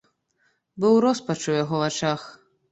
Быў роспач у яго вачах.